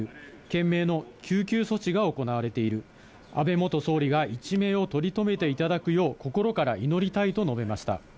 懸命の救急措置が行われている、安倍元総理が一命を取り留めていただくよう、心から祈りたいと述べました。